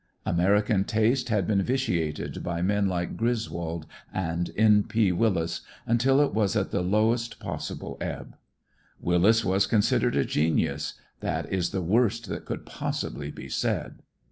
American taste had been vitiated by men like Griswold and N. P. Willis until it was at the lowest possible ebb. Willis was considered a genius, that is the worst that could possibly be said.